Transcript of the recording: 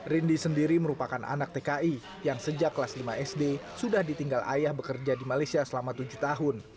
rindy sendiri merupakan anak tki yang sejak kelas lima sd sudah ditinggal ayah bekerja di malaysia selama tujuh tahun